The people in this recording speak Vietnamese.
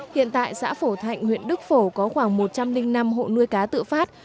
hiện tại xã phổ thạnh huyện đức phổ có khoảng một trăm linh năm hộ nuôi cá tự phát